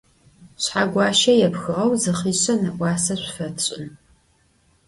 Шъхьэгуащэ епхыгъэу зы хъишъэ нэӏуасэ шъуфэтшӏын.